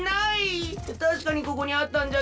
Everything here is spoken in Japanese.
たしかにここにあったんじゃけど。